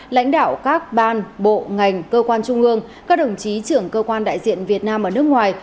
lãnh đạo các ban bộ ngành cơ quan trung ương các đồng chí trưởng cơ quan đại diện việt nam ở nước ngoài